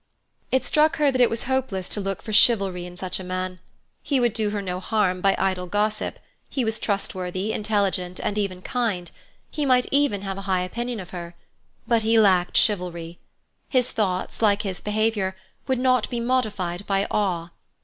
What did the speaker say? It struck her that it was hopeless to look for chivalry in such a man. He would do her no harm by idle gossip; he was trustworthy, intelligent, and even kind; he might even have a high opinion of her. But he lacked chivalry; his thoughts, like his behaviour, would not be modified by awe.